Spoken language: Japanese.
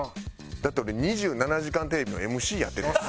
だって俺『２７時間テレビ』のＭＣやってたんやで。